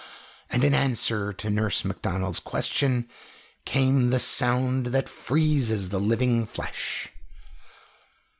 And in answer to Nurse Macdonald's question came the sound that freezes the living flesh.